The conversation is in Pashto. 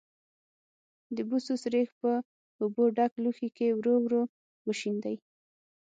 د بوسو سريښ په اوبو ډک لوښي کې ورو ورو وشیندئ.